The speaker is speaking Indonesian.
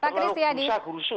terlalu bisa gulusu